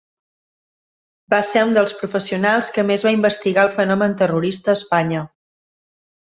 Va ser un dels professionals que més va investigar el fenomen terrorista a Espanya.